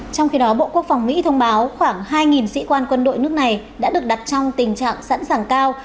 trong khi đó bộ quốc phòng mỹ thông báo khoảng hai sĩ quan quân đội nước này đã được đặt trong tình trạng sẵn sàng cao